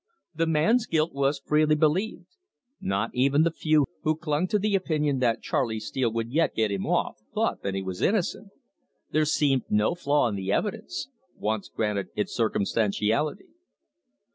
The man's guilt was freely believed; not even the few who clung to the opinion that Charley Steele would yet get him off thought that he was innocent. There seemed no flaw in the evidence, once granted its circumstantiality.